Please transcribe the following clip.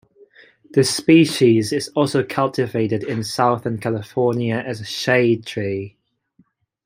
The species is also cultivated in Southern California as a shade tree.